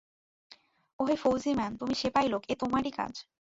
ওহে ফৌজি-ম্যান, তুমি সেপাই লোক, এ তোমারি কাজ।